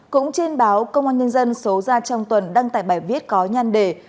cũng trên báo công an nhân dân số ra trong tuần đăng tải bài viết có nhan đề